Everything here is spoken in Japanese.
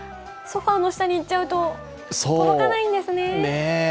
ソファーの下に行っちゃうと届かないんですね。